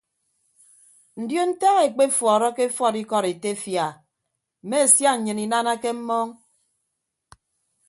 Ndion ntak ekpefuọrọke efuọd ikọd etefia a mme sia nnyịn inanake mmọọñ.